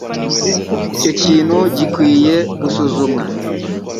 Icyo nikintu gikwiye gusuzumwa.